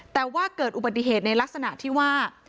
แต่ว่าเกิดอุบัติเหตุในลักษณะที่ว่า